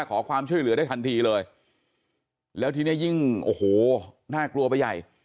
ขอความช่วยเหลือได้ทันทีเลยแล้วทีนี้ยิ่งโอ้โหน่ากลัวไปใหญ่